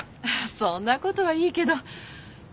そんな事はいいけど。